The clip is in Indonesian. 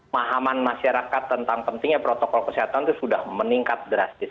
pahaman masyarakat tentang pentingnya protokol kesehatan itu sudah meningkat drastis